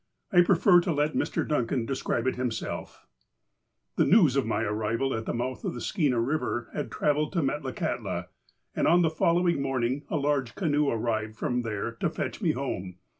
I prefer to let Mr. Duncan describe it himself : "The news of my arrival at the mouth of the Skeena River had travelled to Metlakahtla, and on the following morning a large canoe arrived from there to fetch me home.